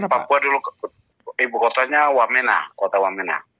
papua dulu ibu kotanya wamena kota wamena